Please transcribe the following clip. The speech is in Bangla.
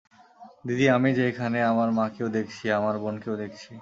দিদি, আমি যে এখানে আমার মাকেও দেখছি আমার বোনকেও দেখছি।